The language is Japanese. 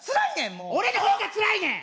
もう俺の方がつらいねん！